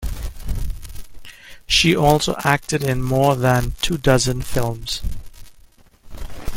She also acted in more than two dozen films.